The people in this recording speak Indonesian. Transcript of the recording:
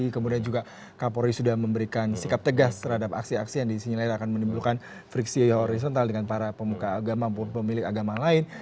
kemudian juga kapolri sudah memberikan sikap tegas terhadap aksi aksi yang disinyalir akan menimbulkan friksi horizontal dengan para pemuka agama maupun pemilik agama lain